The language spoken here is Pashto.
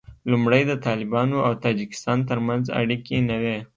لومړی د طالبانو او تاجکستان تر منځ اړیکې نه وې